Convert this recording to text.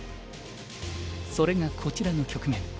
それがこちらの局面。